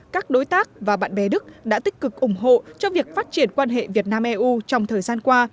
các đối tác và bạn bè đức đã tích cực ủng hộ cho việc phát triển quan hệ việt nam eu trong thời gian qua